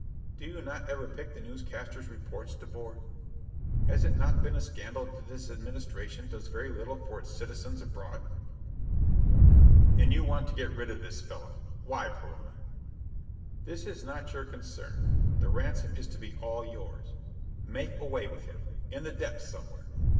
Do you not ever pick the newscasters' reports, De Boer? Has it not been a scandal that this administration does very little for its citizens abroad?" "And you want to get rid of this fellow? Why, Perona?" "That is not your concern. The ransom is to be all yours. Make away with him in the depths somewhere.